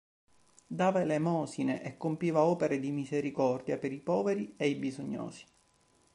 Dava elemosine e compiva opere di misericordia per i poveri e i bisognosi.